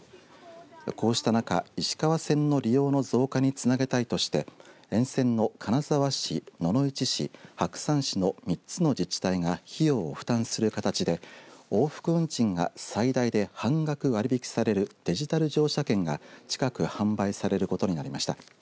こうした中、石川線の利用の増加につなげたいとして沿線の金沢市野々市市白山市の３つの自治体が費用を負担する形で往復運賃が最大で半額割引されるデジタル乗車券が近く販売されることになりました。